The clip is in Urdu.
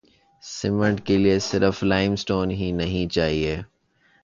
سیمنٹ کیلئے صرف لائم سٹون ہی نہیں چاہیے۔